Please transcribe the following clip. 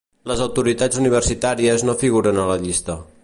Les autoritats universitàries no figuren a la llista.